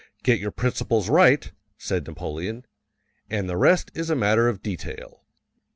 "Get your principles right," said Napoleon, "and the rest is a matter of detail."